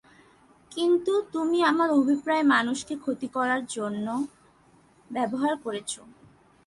কিন্তু, তুমি তোমার অভিপ্রায় মানুষকে ক্ষতি করার জন্য ব্যবহার করেছো।